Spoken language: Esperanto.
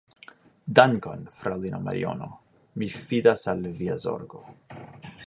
Dankon, fraŭlino Mariono, mi fidas al via zorgo.